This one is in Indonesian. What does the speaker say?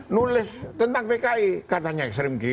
nulis tentang pki katanya ekstrem kiri